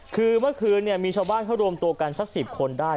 คือเมื่อคืนมีชาวบ้านเขารวมตัวกันสัก๑๐คนได้